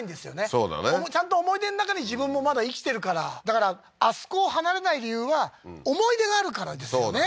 そうだねちゃんと思い出の中に自分もまだ生きてるからだからあそこを離れない理由は思い出があるからですよね